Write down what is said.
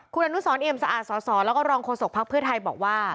คุณอนุสรเอี่ยมสะอาดสอสอแล้วก็รองโฆษกภักดิ์เพื่อไทยบอกว่า